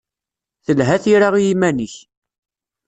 Telha tira i yiman-ik.